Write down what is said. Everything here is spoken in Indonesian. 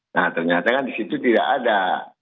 nah ternyata kan di situ tidak ada